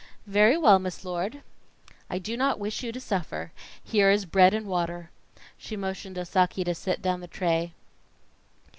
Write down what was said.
"Very well, Miss Lord." "I do not wish you to suffer. Here is bread and water." She motioned Osaki to set down the tray.